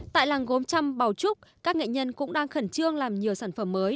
tại làng gốm trăm bảo trúc các nghệ nhân cũng đang khẩn trương làm nhiều sản phẩm mới